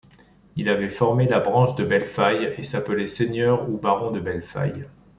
Il avait formé la branche de Bellefaye et s’appelait seigneur ou baron de Bellefaye.